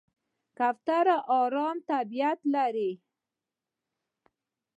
کوتره آرام طبیعت لري.